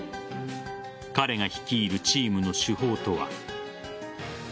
彼が率いるチームの手法とは。